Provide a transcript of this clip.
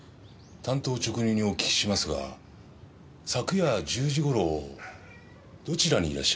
単刀直入にお聞きしますが昨夜１０時頃どちらにいらっしゃいました？